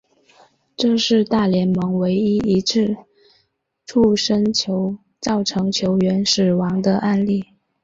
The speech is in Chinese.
这是大联盟唯一一次触身球造成球员死亡的案例。